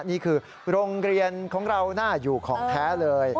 นี่คือโรงเรียนของเราน่าอยู่ของแท้เลย